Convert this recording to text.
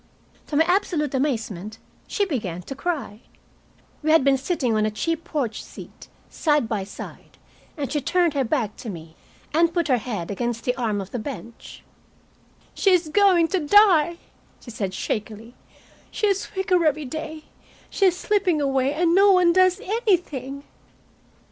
To my absolute amazement she began to cry. We had been sitting on a cheap porch seat, side by side, and she turned her back to me and put her head against the arm of the bench. "She's going to die!" she said shakily. "She's weaker every day. She is slipping away, and no one does anything."